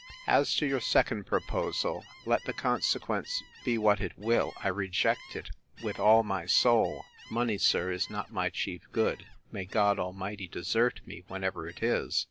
As to your second proposal, let the consequence be what it will, I reject it with all my soul. Money, sir, is not my chief good: May God Almighty desert me, whenever it is!